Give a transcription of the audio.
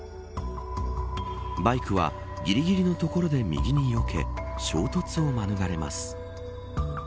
バイクはぎりぎりのところで右によけ衝突を免れます。